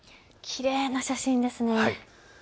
きれいな写真ですね。